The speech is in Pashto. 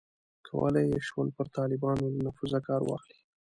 کولای یې شول پر طالبانو له نفوذه کار واخلي.